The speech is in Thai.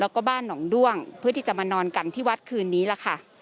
แล้วก็บ้านหนองด้วงเพื่อที่จะมานอนกันที่วัดคืนนี้ล่ะค่ะ